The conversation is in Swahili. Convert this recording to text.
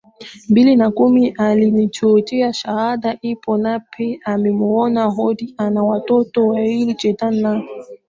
mbili na kumi alitunukiwa shahada hiyo Nape amemuoa Rhobi ana watoto wawili Jaydan na